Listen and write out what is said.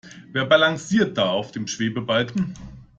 Wer balanciert da auf dem Schwebebalken?